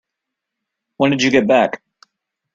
When did you get back?